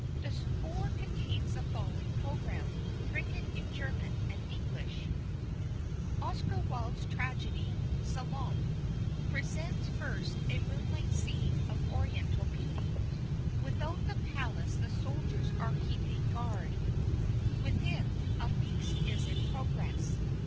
The score contains the following programme, printed in German and English: "Oscar Wilde's tragedy, 'Salome,' presents first a moonlight scene of Oriental beauty. Without the palace the soldiers are keeping guard; within, a feast is in progress.